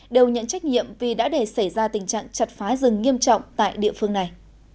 đều nhận trách nhiệm vì đã để xảy ra tình trạng chặt phá rừng nghiêm trọng tại địa phương này